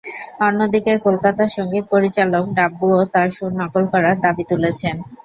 অন্যদিকে, কলকাতার সংগীত পরিচালক ডাব্বুও তাঁর সুর নকল করার দাবি তুলেছেন।